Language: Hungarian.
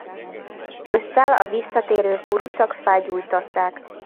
Ősszel a visszatérő kurucok felgyújtották.